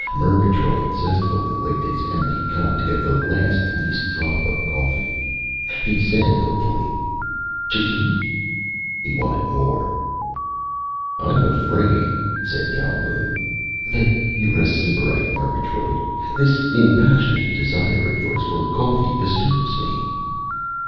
Murgatroyd zestfully licked his empty cup to get the last least drop of coffee. He said hopefully: "Chee?" He wanted more. "I'm afraid," said Calhoun, "that you're a sybarite, Murgatroyd. This impassioned desire of yours for coffee disturbs me."